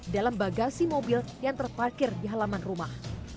dalam bagasi mobil yang terparkir di halaman rumah